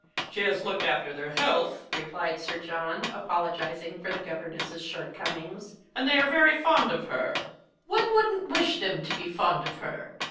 " She has looked after their health," replied Sir John^ apologizing for the governess's shortcomings, '' and they are very fond of her." "• One wouldn't wish them to be fond of her.